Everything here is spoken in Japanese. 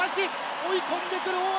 追い込んでくる、大橋。